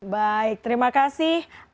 baik terima kasih